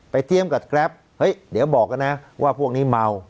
เทียมกับแกรปเฮ้ยเดี๋ยวบอกกันนะว่าพวกนี้เมา